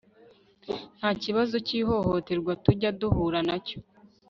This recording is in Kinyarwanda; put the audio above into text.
ntakibazo cyihohoterwa tujya duhura nacyo